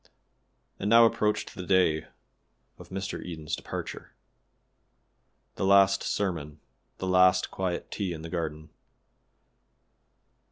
And now approached the day of Mr. Eden's departure. The last sermon the last quiet tea in the garden.